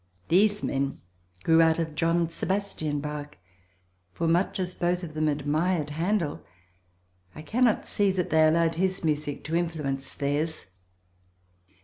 These men grew out of John Sebastian Bach, for much as both of them admired Handel I cannot see that they allowed his music to influence theirs.